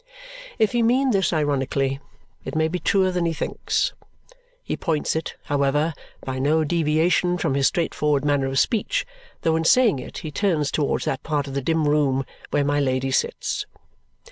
If he mean this ironically, it may be truer than he thinks. He points it, however, by no deviation from his straightforward manner of speech, though in saying it he turns towards that part of the dim room where my Lady sits.